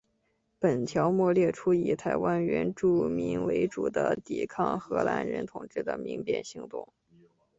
本条目列出以台湾原住民为主的抵抗荷兰人统治的民变行动。